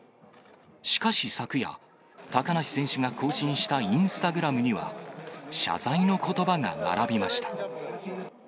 しかし昨夜、高梨選手が更新したインスタグラムには、謝罪のことばが並びました。